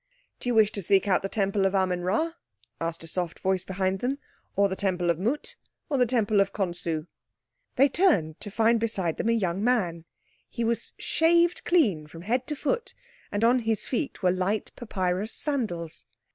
"Did you wish to seek out the Temple of Amen Rā?" asked a soft voice behind them, "or the Temple of Mut, or the Temple of Khonsu?" They turned to find beside them a young man. He was shaved clean from head to foot, and on his feet were light papyrus sandals.